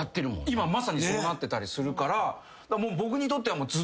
今まさにそうなってたりするから。